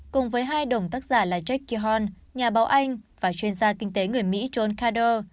cùng với hai đồng tác giả là jackie horn nhà báo anh và chuyên gia kinh tế người mỹ john carter